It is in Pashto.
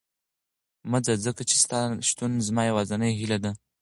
مه ځه، ځکه چې ستا شتون زما یوازینۍ هیله ده.